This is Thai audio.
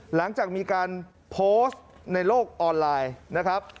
หลังจากมีการโพสต์ในโลกออนไลน์นะครับ